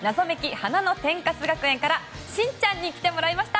花の天カス学園」からしんちゃんに来てもらいました。